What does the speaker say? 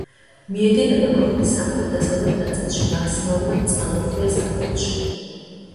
მიედინება ქვეყნის სამხრეთ-დასავლეთ ნაწილში, მაქსიმალურად წყალუხვია ზაფხულში.